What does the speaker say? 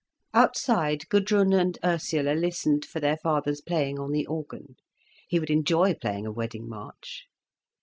Outside, Gudrun and Ursula listened for their father's playing on the organ. He would enjoy playing a wedding march.